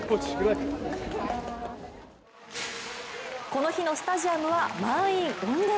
この日のスタジアムは満員御礼。